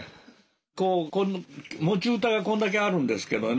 持ち歌がこんだけあるんですけどね。